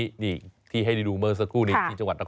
ก็มีหลายจังหวัดเลือกสารการกระทงแบบนี้